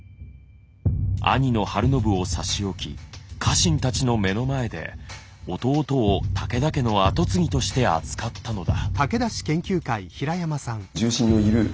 兄の晴信を差し置き家臣たちの目の前で弟を武田家の跡継ぎとして扱ったのだ。